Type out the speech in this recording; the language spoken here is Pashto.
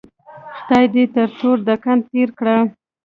خدای دې تر تور دکن تېر کړه.